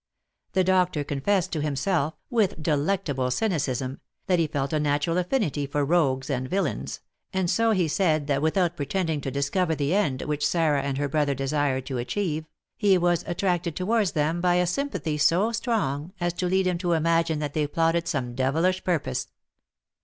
The doctor confessed to himself, with delectable cynicism, that he felt a natural affinity for rogues and villains, and so he said that without pretending to discover the end which Sarah and her brother desired to achieve, he was attracted towards them by a sympathy so strong as to lead him to imagine that they plotted some devilish purpose.